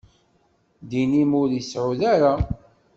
Ddin-im ur iyi-suɛed ara.